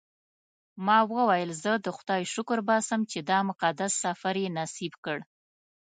ما وویل زه د خدای شکر باسم چې دا مقدس سفر یې نصیب کړ.